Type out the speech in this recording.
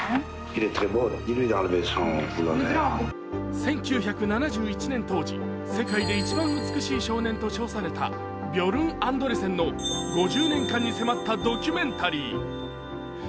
１９７１年当時、「世界で一番美しい少年」と称されたビョルン・アンドレセンの５０年間に迫ったドキュメンタリー。